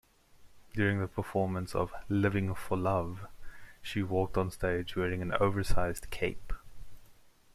During the performance of "Living for Love", she walked onstage wearing an oversized cape.